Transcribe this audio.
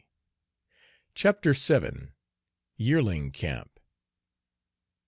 ] CHAPTER VII. YEARLING CAMP.